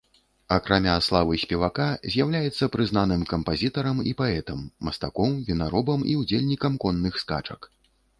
Акрамя славы спевака, з'яўляецца прызнаным кампазітарам і паэтам, мастаком, вінаробам і ўдзельнікам конных скачак.